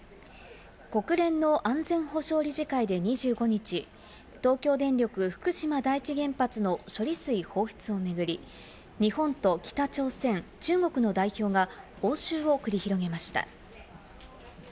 国連の安全保障理事会で２５日、東京電力・福島第一原発の処理水放出を巡り、日本と北朝鮮、中国の代表が応酬を繰り広げました。